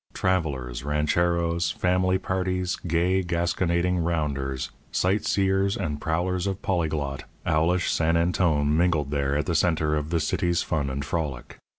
Travellers, rancheros, family parties, gay gasconading rounders, sightseers and prowlers of polyglot, owlish San Antone mingled there at the centre of the city's fun and frolic.